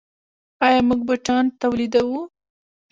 آیا موږ بوټان تولیدوو؟